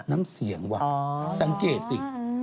น้ำเสียงว่ะสังเกตสิ